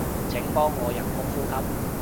請幫我人工呼吸